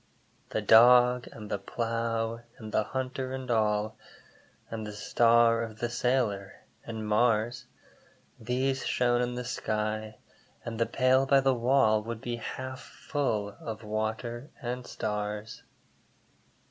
The Dog, and the Plough, and the Hunter and all, And the star of the sailor, and Mars, These shone in the sky, and the pail by the wall Would be half full of water and stars.